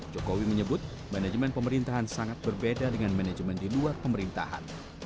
jokowi menyebut manajemen pemerintahan sangat berbeda dengan manajemen di luar pemerintahan